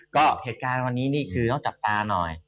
ก็เหตุการณ์วันนี้นี่คือต้องจับตาหน่อย